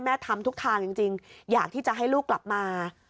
ทำทุกทางจริงอยากที่จะให้ลูกกลับมา